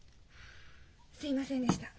すみませんでした。